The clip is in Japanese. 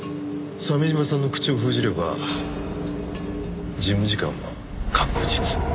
鮫島さんの口を封じれば事務次官は確実。